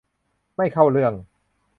ไม่เข้าเรื่อง